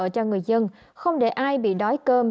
cho người dân không để ai bị đói cơm